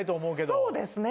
そうですね。